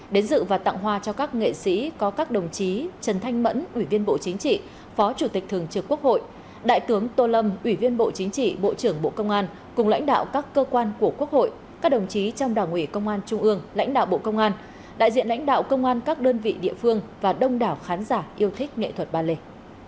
đến dự và tặng hoa cho các nghệ sĩ có các đồng chí trần thanh mẫn ủy viên bộ chính trị phó chủ tịch thường trực quốc hội đại tướng tô lâm ủy viên bộ chính trị bộ trưởng bộ công an cùng lãnh đạo các cơ quan của quốc hội các đồng chí trong đảng ủy công an trung ương lãnh đạo bộ công an đại diện lãnh đạo công an các đơn vị địa phương và đông đảo khán giả yêu thích nghệ thuật ballet